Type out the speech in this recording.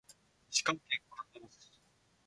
石川県金沢市